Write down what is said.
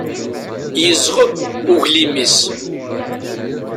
Yezɣeb uglim-is.